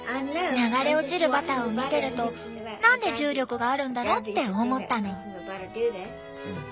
流れ落ちるバターを見てると何で重力があるんだろう？って思ったの。